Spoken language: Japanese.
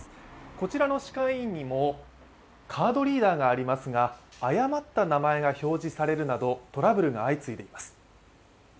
こちらの歯科医院にもカードリーダーがありますが誤った名前が表示されるなどトラブルが相次いでいます。